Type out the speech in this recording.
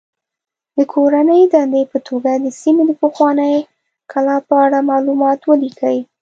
د کورنۍ دندې په توګه د سیمې د پخوانۍ کلا په اړه معلومات ولیکئ.